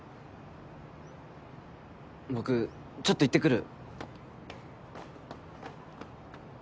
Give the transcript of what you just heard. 僕ちょっと行ってくる。